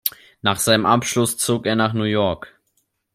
Nach seinem Abschluss zog er nach New York.